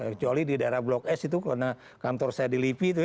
kecuali di daerah blok s itu karena kantor saya di lipi itu